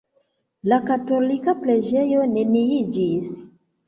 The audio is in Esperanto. La katolika preĝejo neniiĝis.